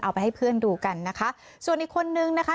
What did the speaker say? ไปให้เพื่อนดูกันนะคะส่วนอีกคนนึงนะคะ